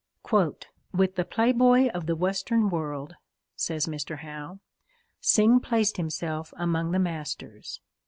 _ "With The Playboy of the Western World," says Mr. Howe, "Synge placed himself among the masters."